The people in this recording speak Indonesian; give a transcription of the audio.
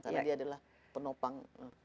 karena dia adalah penopang